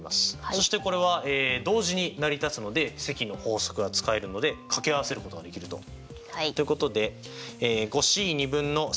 そしてこれは同時に成り立つので積の法則が使えるので掛け合わせることができると。ということでＣ分のＣ×Ｃ。